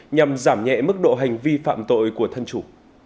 nhằm giảm nhẹ mức độ hành vi phạm tội của thân chủ